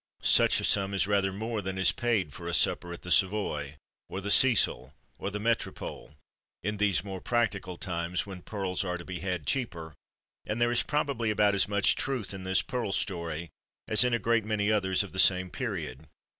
Such a sum is rather more than is paid for a supper at the Savoy, or the Cecil, or the Metropole, in these more practical times, when pearls are to be had cheaper; and there is probably about as much truth in this pearl story as in a great many others of the same period.